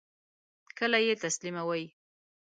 کله یی تسلیموئ؟